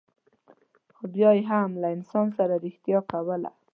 خو بیا یې هم له انسان سره رښتیا کوله.